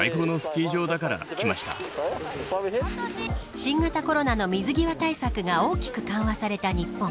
新型コロナの水際対策が大きく緩和された日本。